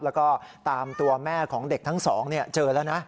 แล้วก็ตามตัวแม่ของเด็กทั้งสองเจอแล้วนะ